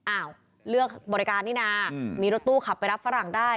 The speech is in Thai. อ้าวเลือกบริการนี่นะมีรถตู้ขับไปรับฝรั่งได้